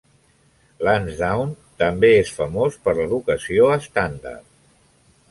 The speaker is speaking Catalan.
Lansdowne també és famós per l'educació estàndard.